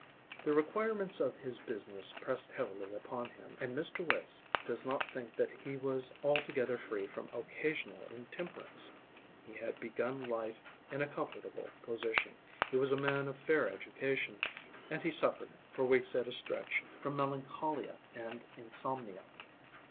The requirements of his business pressed heavily upon him, and Mr. Wace does not think that he was altogether free from occasional intemperance. He had begun life in a comfortable position, he was a man of fair education, and he suffered, for weeks at a stretch, from melancholia and insomnia.